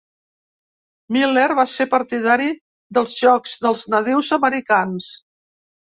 Miller va ser partidari dels joc dels nadius americans.